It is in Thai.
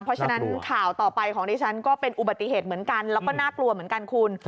เพราะฉะนั้นข่าวต่อไปของดิฉันก็เป็นอุบัติเหตุเหมือนกันแล้วก็น่ากลัวเหมือนกันคุณ